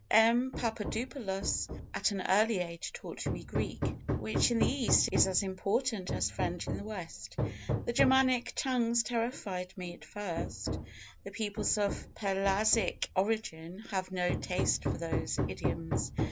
M. Papadopoulos at an early age taught me Greek, which in the East is as important as French in the West. The Germanic tongues terrified me at first, the peoples of Pelasgic origin having no taste for those idioms.